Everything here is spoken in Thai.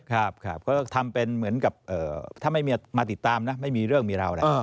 ครับก็ทำเป็นเหมือนกับถ้าไม่มีมาติดตามนะไม่มีเรื่องมีราวแหละ